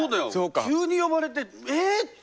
急に呼ばれてえ？って。